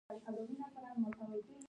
اوبه باید سپمول شي.